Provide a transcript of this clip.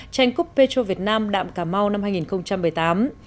tranh cúp petro việt nam đạm cà mau năm hai nghìn một mươi tám